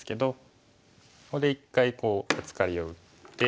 ここで一回ブツカリを打って。